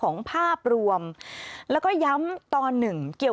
โดยประมาณ๑ชั่วโมง